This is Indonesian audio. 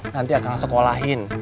nanti akang sekolahin